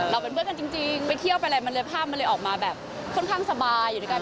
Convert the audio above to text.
เป็นเพื่อนกันจริงไปเที่ยวไปอะไรมันเลยภาพมันเลยออกมาแบบค่อนข้างสบายอยู่ด้วยกัน